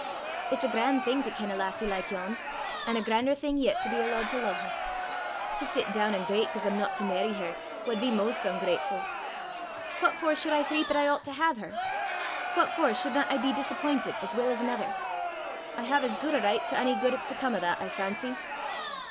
It's a gran' thing to ken a lassie like yon, an' a gran'er thing yet to be allooed to lo'e her: to sit doon an' greit 'cause I'm no to merry her, wad be most oongratefu'! What for sud I threip 'at I oucht to hae her? What for sudna I be disapp'intit as weel as anither? I hae as guid a richt to ony guid 'at's to come o' that, I fancy!